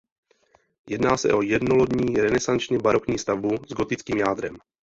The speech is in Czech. Jedná se o jednolodní renesančně barokní stavbu s gotickým jádrem.